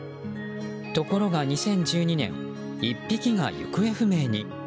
ところが２０１２年１匹が行方不明に。